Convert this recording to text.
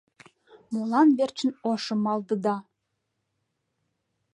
Молан верчын ошо малдыда?